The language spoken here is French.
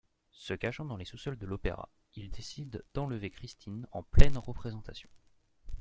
Se cachant dans les sous-sols de l'Opéra, il décide d'enlever Christine en pleine représentation.